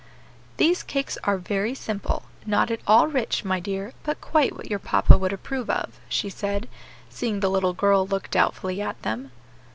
"These cakes are very simple, not at all rich, my dear, but quite what your papa would approve of," she said, seeing the little girl look doubtfully at them.